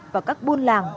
vào các buôn làng